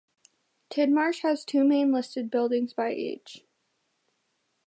Tidmarsh has two main listed buildings by age.